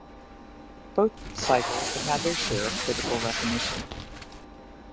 Both cycles have had their share of critical recognition.